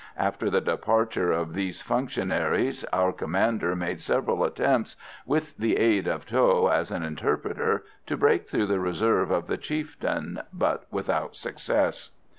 After the departure of these functionaries, our commander made several attempts, with the aid of Tho as an interpreter, to break through the reserve of the chieftain, but without success.